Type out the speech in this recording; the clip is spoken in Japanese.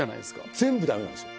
全部駄目なんですよ。